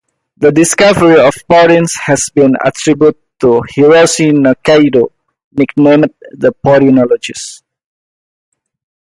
The discovery of porins has been attributed to Hiroshi Nikaido, nicknamed the porinologist.